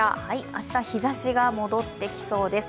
明日、日ざしが戻ってきそうです